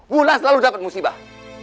mulan selalu dapat musibah